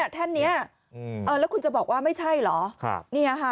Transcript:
ท่านนี้แล้วคุณจะบอกว่าไม่ใช่เหรอ